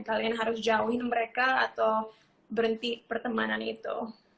kalian harus jauhin mereka atau berhenti pertemanan itu